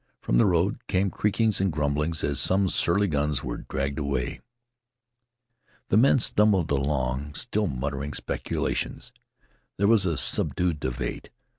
From the road came creakings and grumblings as some surly guns were dragged away. The men stumbled along still muttering speculations. There was a subdued debate.